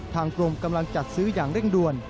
ทางกรมกำลังจัดซื้ออย่างเร่งด่วน